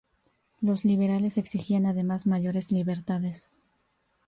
Los liberales exigían además mayores libertades.